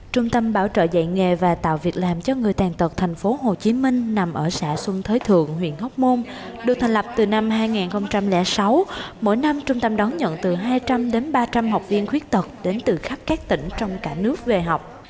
trung tâm bảo trợ dạy nghề và tạo việc làm cho người tàn tật tp hcm nằm ở xã xuân thới thượng huyện hóc môn được thành lập từ năm hai nghìn sáu mỗi năm trung tâm đón nhận từ hai trăm linh đến ba trăm linh học viên khuyết tật đến từ khắp các tỉnh trong cả nước về học